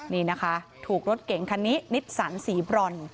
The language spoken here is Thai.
นี่นะคะถูกรถเก๋งคันนี้นิสสันสีบรอน